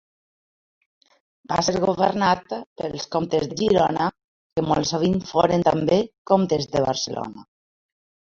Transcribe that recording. Va ser governat pels comtes de Girona que molt sovint foren també comtes de Barcelona.